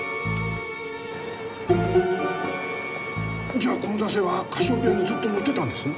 じゃあこの男性はカシオペアにずっと乗ってたんですね？